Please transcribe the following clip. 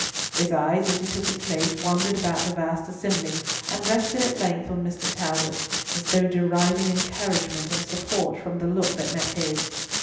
His eyes, as he took his place, wandered round the vast assembly, and rested at length on Mr. Talbot, as though deriving encouragement and support from the look that met his.